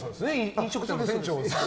飲食店の店長さん。